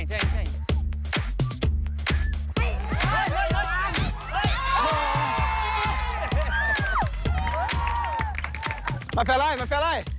มาเป็นอะไรมาเป็นอะไร